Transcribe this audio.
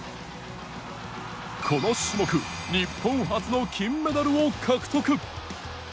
この種目日本初の金メダルを獲得。